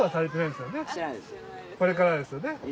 れからですよね？